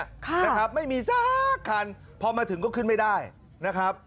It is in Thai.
ค่ะนะครับไม่มีสักคันพอมาถึงก็ขึ้นไม่ได้นะครับ